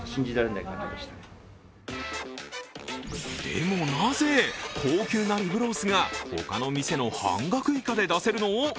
でも、なぜ高級なリブロースが他の店の半額以下で出せるの？